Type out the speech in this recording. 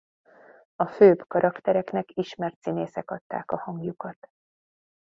A főbb karaktereknek ismert színészek adták a hangjukat.